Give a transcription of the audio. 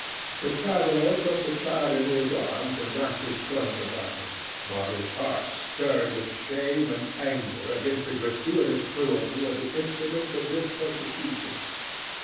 The traveller took the child in his arms and wrapped his cloak about him, while his heart stirred with shame and anger against the gratuitous cruelty of the instruments in this persecution.